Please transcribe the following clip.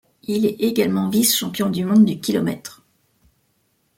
Il est également vice-champion du monde du kilomètre.